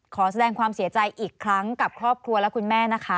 ขอแสดงความเสียใจอีกครั้งกับครอบครัวและคุณแม่นะคะ